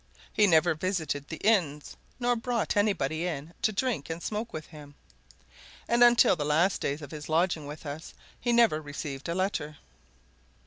He never visited the inns, nor brought anybody in to drink and smoke with him. And until the last days of his lodging with us he never received a letter.